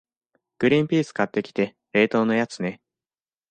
グリンピース買ってきて、冷凍のやつね。